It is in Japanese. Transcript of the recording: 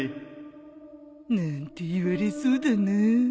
なんて言われそうだなあ